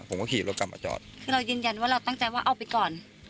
ผมก็ขี่รถกลับมาจอดคือเรายืนยันว่าเราตั้งใจว่าเอาไปก่อน